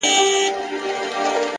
د حقیقت درناوی حکمت زیاتوي.!